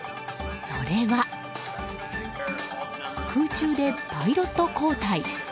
それは空中でパイロット交代。